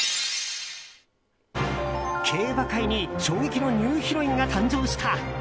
競馬界に衝撃のニューヒロインが誕生した。